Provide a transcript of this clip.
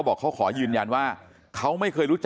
มันต้องการมาหาเรื่องมันจะมาแทงนะ